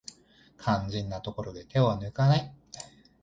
肝心なところで手を抜かない